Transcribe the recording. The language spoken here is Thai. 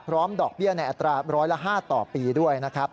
พร้อมดอกเบี้ยแน่ตราบร้อยละ๕ต่อปีด้วย